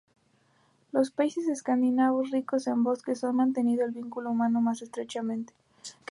Los países escandinavos, ricos en bosques, han mantenido el vínculo humano más estrechamente.